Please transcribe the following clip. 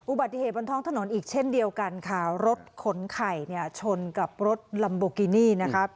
อุบัติเหตุบนท้องถนนอีกเช่นเดียวกันค่ะรถขนไข่เนี่ยชนกับรถลัมโบกินี่นะครับ